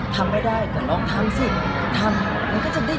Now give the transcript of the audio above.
ทำไม่ได้ก็ลองทำซิทำเราก็จะได้